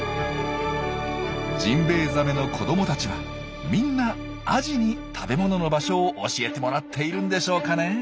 ジンベエザメの子どもたちはみんなアジに食べ物の場所を教えてもらっているんでしょうかね。